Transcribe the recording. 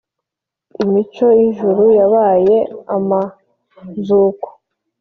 imico y'ijuru yabaye amazuku